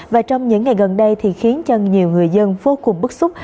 và trong những ngày gần đây thì khiến cho nhiều người dân vô cùng bức xúc